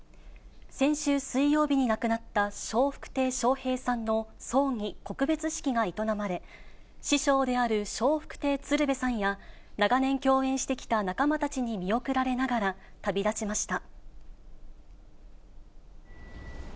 先週水曜日に亡くなった笑福亭笑瓶さんの葬儀・告別式が営まれ、師匠である笑福亭鶴瓶さんや、長年共演してきた仲間たちに見送られながら旅立ちました。